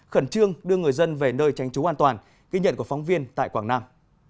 khẩn trương đưa người dân về nơi tránh trú an toàn ghi nhận của phóng viên tại quảng nam